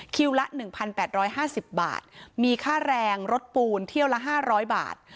ละ๑๘๕๐บาทมีค่าแรงรถปูนเที่ยวละ๕๐๐บาท